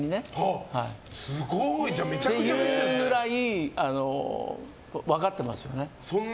そういうくらい分かってますよね。